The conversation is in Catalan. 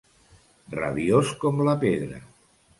Rabiós com la pedra.